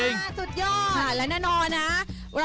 ในนอนนะ